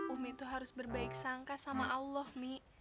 umi itu harus berbaik sangka sama allah mik